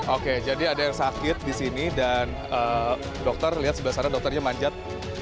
oke jadi ada yang sakit di sini dan dokter lihat sebelah sana dokternya manjat